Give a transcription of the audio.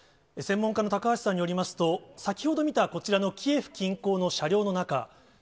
専門家の高橋さんによりますと、先ほど見たこちらのキエフ近郊の車両の中。